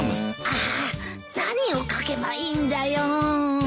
ああっ何を書けばいいんだよ。